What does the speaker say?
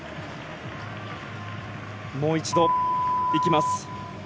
もう一度いきます。